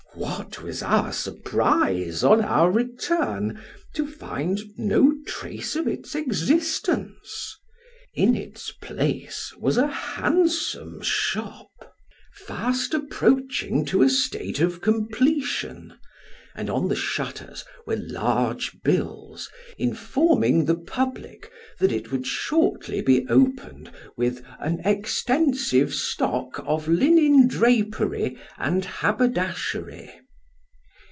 What was our surprise, on our return, to find no trace of its existence ! In its place was a handsome shop, fast approaching to a state of completion, and on the shutters were large bills, informing the public that it would shortly be opened with " an extensive stock of linen drapery and haberdashery."